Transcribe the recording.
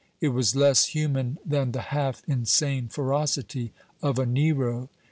It was less human than the half insane ferocity of a Nero.